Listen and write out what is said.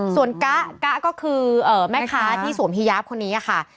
ส่วนกะก็คือแม่ค้าที่สวมฮียาฟคนนี้ค่ะ